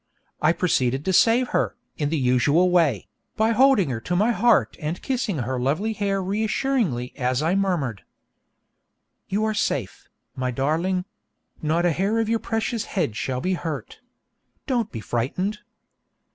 I proceeded to save her, in the usual way, by holding her to my heart and kissing her lovely hair reassuringly as I murmured: 'You are safe, my darling; not a hair of your precious head shall be hurt. Don't be frightened.'